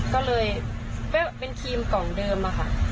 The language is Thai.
ก็เลยเป็นทรีมกล่องเดิม